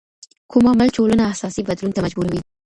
کوم عامل ټولنه اساسي بدلون ته مجبوروي؟